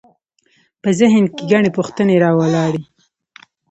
په ذهن کې ګڼې پوښتنې راولاړوي.